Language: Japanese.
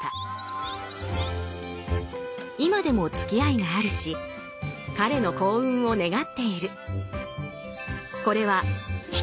今でもつきあいがあるし彼の幸運を願っている。